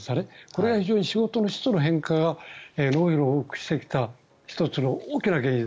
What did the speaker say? これが非常に仕事の質の変化が脳疲労を多くしてきた大きな原因。